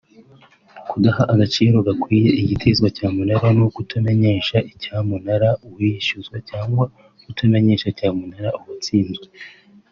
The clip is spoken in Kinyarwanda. kudaha agaciro gakwiye igitezwa cyamunara no kutamenyesha icyamunara uwishyuzwa cyangwa kutamenyesha cyamunara uwatsinzwe